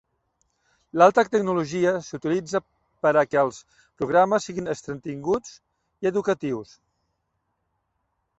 L'alta tecnologia s'utilitza per a que els programes siguin entretinguts i educatius.